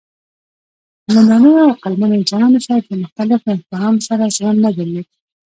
لومړنیو عقلمنو انسانانو شاید له مختلفو انسانانو سره زغم نه درلود.